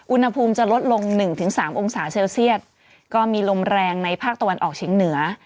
อุณหภูมิจะลดลง๑๓องศาเซลเซียตก็มีลมแรงในภาคตะวันออกเฉียงเหนือ